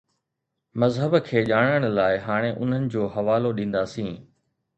مذهب کي ڄاڻڻ لاءِ هاڻي انهن جو حوالو ڏينداسين.